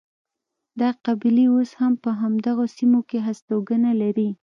دا قبیلې اوس هم په همدغو سیمو کې هستوګنه لري.